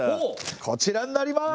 こちらになります。